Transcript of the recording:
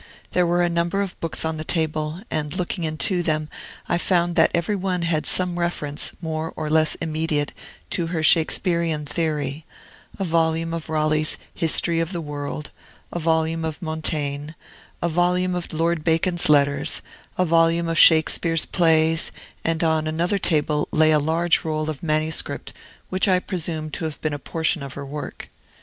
There were a number of books on the table, and, looking into them, I found that every one had some reference, more or less immediate, to her Shakespearian theory, a volume of Raleigh's "History of the World," a volume of Montaigne, a volume of Lord Bacon's letters, a volume of Shakespeare's plays; and on another table lay a large roll of manuscript, which I presume to have been a portion of her work.